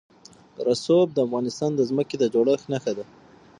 رسوب د افغانستان د ځمکې د جوړښت نښه ده.